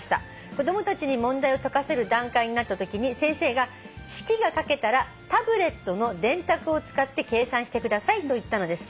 子供たちに問題を解かせる段階になったときに先生が『式が書けたらタブレットの電卓を使って計算してください』と言ったのです。